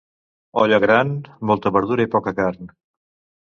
Olla gran, molta verdura i poca carn.